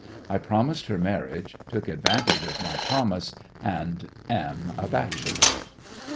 I promised her marriage, took advantage of my promise, and—am a bachelor.